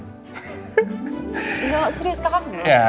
enggak serius kakak kenal